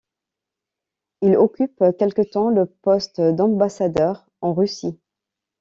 Il occupe quelque temps le poste d'ambassadeur en Russie.